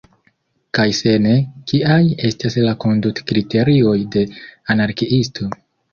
Kaj se ne, kiaj estas la kondutkriterioj de anarkiisto?